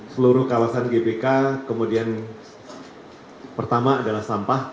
seluruh kawasan gbk kemudian pertama adalah sampah